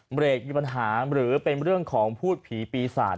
เบรกมีปัญหาหรือเป็นเรื่องของพูดผีปีศาจ